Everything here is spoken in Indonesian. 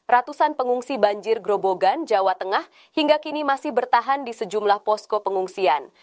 ratusan pengungsi banjir gerobogan jawa tengah hingga kini masih bertahan di sejumlah posko pengungsian